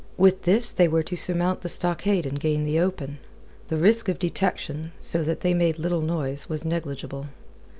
With this they were to surmount the stockade and gain the open. The risk of detection, so that they made little noise, was negligible.